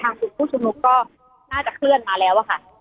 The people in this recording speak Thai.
กลุ่มผู้ชุมนุมก็น่าจะเคลื่อนมาแล้วค่ะ